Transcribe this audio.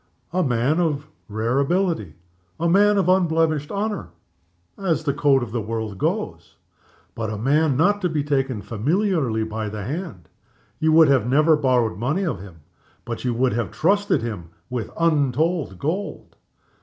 A man of rare ability; a man of unblemished honor (as the code of the world goes); but not a man to be taken familiarly by the hand. You would never have borrowed money of him but you would have trusted him with untold gold.